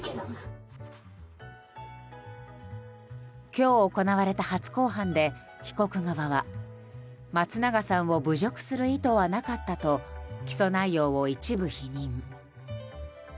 今日行われた初公判で被告側は松永さんを侮辱する意図はなかったと起訴内容を一部否認。